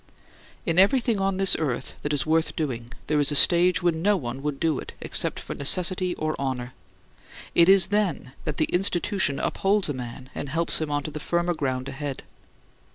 In everything on this earth that is worth doing, there is a stage when no one would do it, except for necessity or honor. It is then that the Institution upholds a man and helps him on to the firmer ground ahead.